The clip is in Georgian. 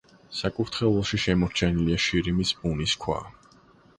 საკურთხეველში შემორჩენილია შირიმის ბუნის ქვა.